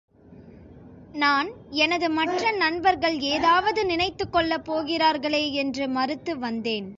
நான் எனது மற்ற நண்பர்கள் ஏதாவது நினைத்துக் கொள்ளப்போகிறார்களேயென்று மறுத்து வந்தேன்.